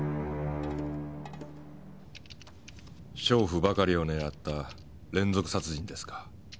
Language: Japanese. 娼婦ばかりを狙った連続殺人ですか。